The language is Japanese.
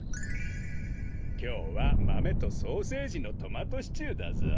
きょうはマメとソーセージのトマトシチューだぞ。